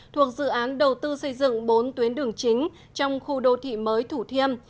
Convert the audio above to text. thuộc dự án đầu tư xây dựng bốn tuyến đường chính trong khu đô thị mới thủ thiêm